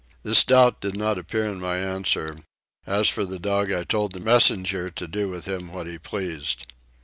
This doubt did not appear in my answer; as for the dog I told the messenger to do with him what he pleased.